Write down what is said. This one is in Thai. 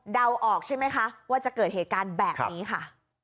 เดาออกใช่ไหมคะว่าจะเกิดเหตุการณ์แบบนี้ค่ะ